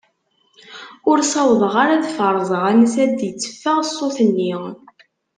Ur sawḍeɣ ara ad feṛzeɣ ansa d-itteffeɣ ṣṣut-nni.